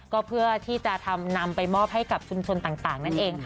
ก็เพื่อที่จะนำไปมอบให้กับชุมชนต่างนั่นเองค่ะ